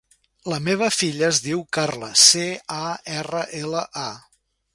La meva filla es diu Carla: ce, a, erra, ela, a.